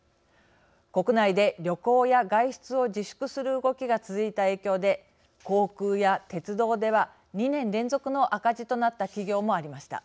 国内で旅行や外出を自粛する動きが続いた影響で航空や鉄道では２年連続の赤字となった企業もありました。